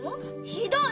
ひどい！